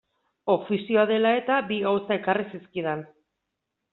Ofizioa dela-eta, bi gauza ekarri zizkidan.